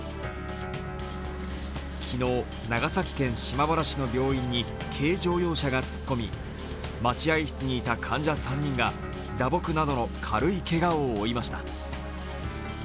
昨日、長崎県島原市の病院に軽乗用車が突っ込み待合室にいた患者３人が打撲などの軽いけがを負いました。